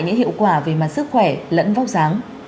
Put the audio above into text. những hiệu quả về mặt sức khỏe lẫn vóc dáng